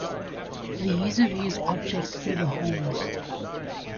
The user views objects through the holes.